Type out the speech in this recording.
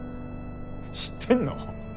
知ってんの？